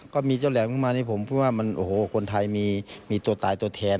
ก็มีเจ้าแหลมเข้ามานี่ผมพูดว่ามันโอ้โหคนไทยมีตัวตายตัวแทน